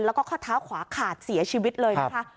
แล้วก็ข้อเท้าขวาขาดเสียชีวิตเลยนะคะ